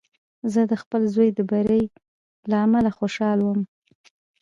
زه د خپل زوی د بري له امله خوشحاله وم.